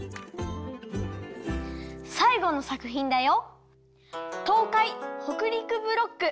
さいごのさくひんだよ。